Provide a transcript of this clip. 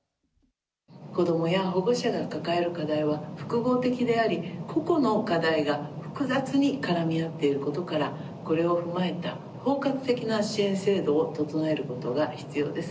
子どもや保護者が抱える課題は、複合的であり、個々の課題が複雑に絡み合っていることから、これを踏まえた包括的な支援制度を整えることが必要です。